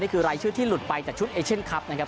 รายชื่อที่หลุดไปจากชุดเอเชียนคลับนะครับ